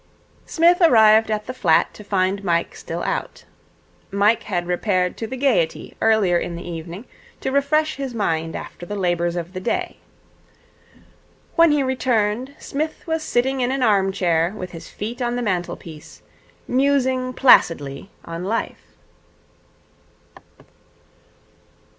Psmith arrived at the flat to find Mike still out. Mike had repaired to the Gaiety earlier in the evening to refresh his mind after the labours of the day. When he returned, Psmith was sitting in an armchair with his feet on the mantelpiece, musing placidly on Life.